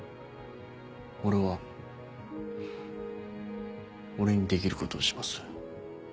俺は俺にできることをします。